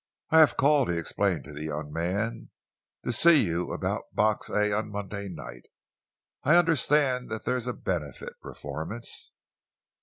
"I have called," he explained to the young man, "to see you about Box A on Monday night. I understand that there is a benefit performance."